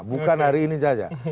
bukan hari ini saja